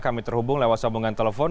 kami terhubung lewat sambungan telepon